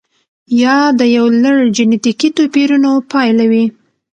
یا د یو لړ جنتیکي توپیرونو پایله وي.